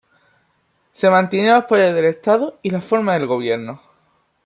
Se mantienen los poderes del Estado y la forma de gobierno.